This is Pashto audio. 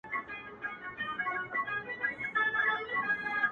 د اختر سهار ته مي ـ